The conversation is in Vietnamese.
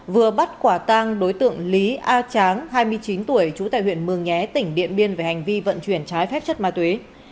vừa bắt quả tang đối tượng lý a tráng hai mươi chín tuổi trú tại huyện mường nhé tỉnh điện biên về hành vi vận chuyển trái phép chất ma túy